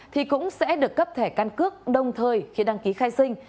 thì cũng sẽ được cấp thẻ căn cước đồng thời khi đăng ký khai sinh